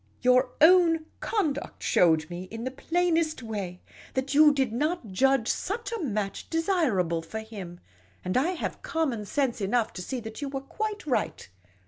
Your own conduct showed me in the plainest way that you did not judge such a match desirable for him ; and I have conmion sense enough to see that you were quite right.